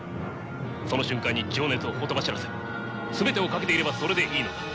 その瞬間に情熱をほとばしらせ全てを懸けていればそれでいいのだ。